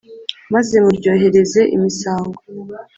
Maze muryohereze imisango.